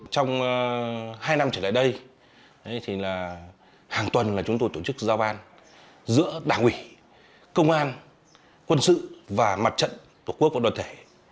trong hai năm trở lại đây là hàng tuần là chúng tôi tổ chức giao ban giữa đảng ủy công an quân sự và mặt trận tổ quốc và đoàn thể